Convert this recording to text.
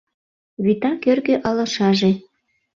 Вӱта кӧргӧ алашаже